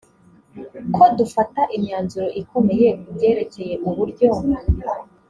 ko dufata imyanzuro ikomeye ku byerekeye uburyo